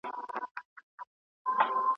هغوی به له خپلو ستونزو سره مخامخ سي.